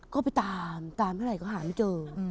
ก็ไปตามตามเท่าไหร่ก็หาไม่เจอ